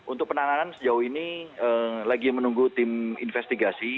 untuk penanganan sejauh ini lagi menunggu tim investigasi